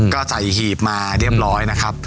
ก็ใส่หีบมาเรียบร้อยนะครับ